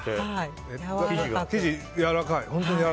生地がやわらかい。